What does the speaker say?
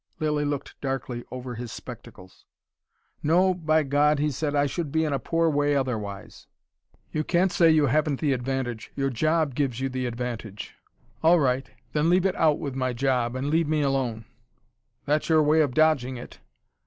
Lilly looked darkly over his spectacles. "No, by God," he said. "I should be in a poor way otherwise." "You can't say you haven't the advantage your JOB gives you the advantage." "All right. Then leave it out with my job, and leave me alone." "That's your way of dodging it."